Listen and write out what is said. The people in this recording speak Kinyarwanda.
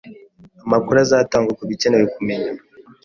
Amakuru azatangwa kubikenewe-kumenya.